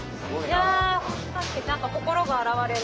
いや何か心が洗われる。